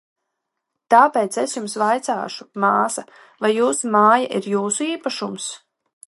Tāpēc es jums vaicāšu, māsa, vai jūsu māja ir jūsu īpašums?